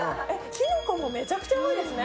きのこもめちゃくちゃ多いですね。